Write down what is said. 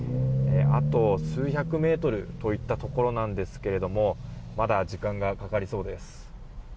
あと数百メートルといったところなんですけれどもまだ時間がかかりそうです。